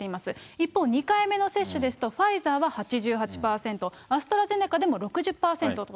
一方、２回目の接種ですと、ファイザーは８８％、アストラゼネカでも６０％と。